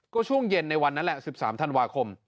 ก็ช่วงเย็นในวันนั้นแหละ๑๓ธันวาคม